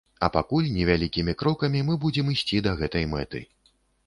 А пакуль невялікімі крокамі мы будзем ісці да гэтай мэты.